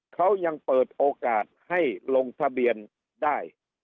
เขายังเปิดโอกาสให้ลงทะเบียนได้